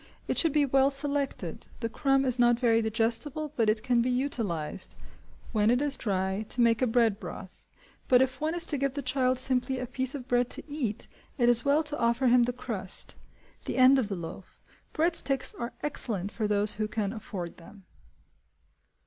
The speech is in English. It should be well selected; the crumb is not very digestible, but it can be utilised, when it is dry, to make a bread broth; but if one is to give the child simply a piece of bread to eat, it is well to offer him the crust, the end of the loaf. Bread sticks are excellent for those who can afford them.